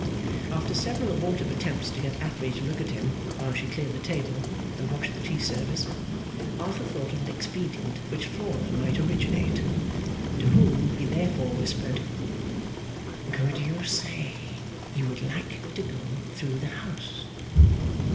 After several abortive attempts to get Affery to look at him while she cleared the table and washed the tea service, Arthur thought of an expedient which Flora might originate. To whom he therefore whispered, 'Could you say you would like to go through the house?